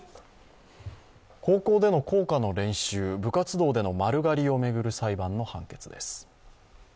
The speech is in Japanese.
高校での校歌の練習、部活動での丸刈りを巡る裁判の判決です。